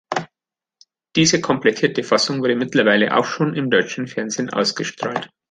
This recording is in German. Diese komplettierte Fassung wurde mittlerweile auch schon im deutschen Fernsehen ausgestrahlt.